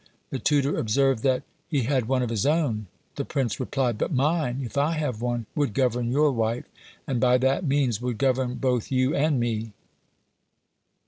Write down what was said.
The tutor observed, that "he had one of his own;" the prince replied, "But mine, if I have one, would govern your wife, and by that means would govern both you and me!"